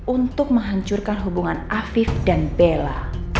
untuk menghancurkan hubungan afif dan bella